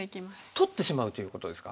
取ってしまうということですか？